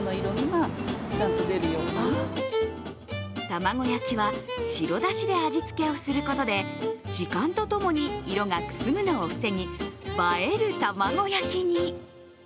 卵焼きは白だしで味付けをすることで時間と共に色がくすむのを防ぎ映える卵焼きに。